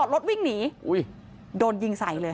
รถวิ่งหนีโดนยิงใส่เลย